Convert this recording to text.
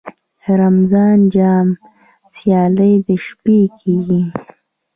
د رمضان جام سیالۍ د شپې کیږي.